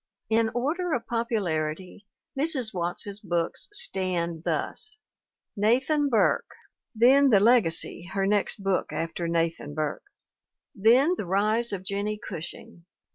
In order of popularity Mrs. Watts's books stand thus : Nathan Burke, then The Legacy, her next book after Nathan Burke; then The Rise of Jennie Cushing.